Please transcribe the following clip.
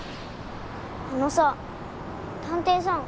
あのさ探偵さん。